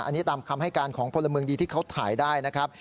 อันนี้ตามคำให้การของพลเมืองดีที่เขาถ่ายได้นะครับ